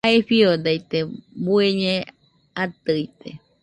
Jae fiodaite bueñe atɨite